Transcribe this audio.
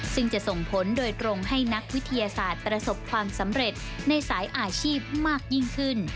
ซึ่งจะส่งผลโดยตรงให้นักวิทยาศาสตร์ประสบความสำเร็จในสายอาชีพมากยิ่งขึ้น